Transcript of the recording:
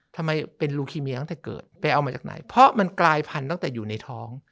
ทำไมเป็นลูคีเมียตั้งแต่เกิดไปเอามาจากไหนเพราะมันกลายพันธุ์ตั้งแต่อยู่ในท้อง